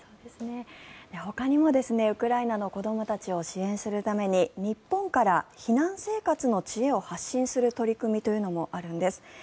ほかにもウクライナの子どもたちを支援するために日本から避難生活の知恵を発信する取り組みというのもあるんです。